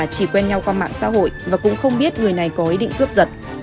chỉ quen nhau qua mạng xã hội và cũng không biết người này có ý định cướp giật